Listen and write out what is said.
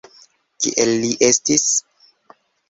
Kiel li estis?